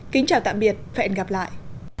xin chào tạm biệt và hẹn gặp lại